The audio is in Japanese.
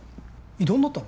異動になったの？